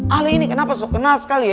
ale ini kenapa soh kenal sekali ye